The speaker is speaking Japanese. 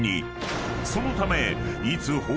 ［そのため］